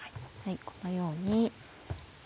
このように。